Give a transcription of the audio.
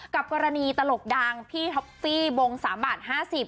กับกรณีตลกดังพี่ท็อปฟี่บงสามบาทห้าสิบ